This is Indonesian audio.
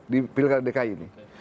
di pilkara dki ini